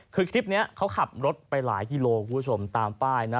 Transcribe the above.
คือคลิปนี้เขาขับรถไปหลายกิโลคุณผู้ชมตามป้ายนะ